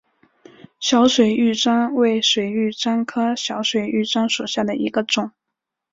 小水玉簪为水玉簪科小水玉簪属下的一个种。